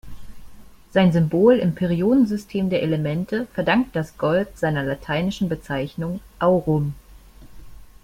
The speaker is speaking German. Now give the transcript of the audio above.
Sein Symbol im Periodensystem der Elemente verdankt das Gold seiner lateinischen Bezeichnung, aurum.